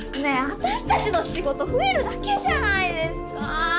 あたしたちの仕事増えるだけじゃないですか！